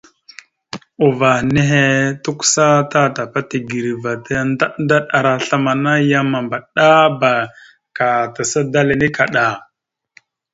Uvah nehe tukəsa tatapa tigəreva taya ndaɗ ndaɗ ara aslam ana yam mabaɗaba ka tasa dala enne kaɗa.